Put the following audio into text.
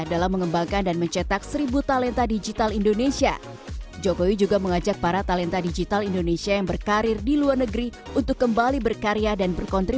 dalam mengembangkan dan mencetak sejarah dan perusahaan